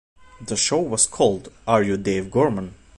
The show was called "Are You Dave Gorman?".